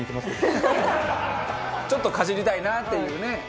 ちょっとかじりたいなっていうね。